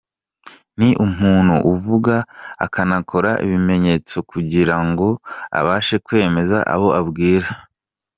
Ni umuntu uvuga akanakora ibimenyetso kugira ngo abashe kwemeza abo abwira.